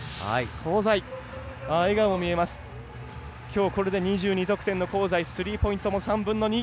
これで、きょう２２得点の香西スリーポイント、３分の２。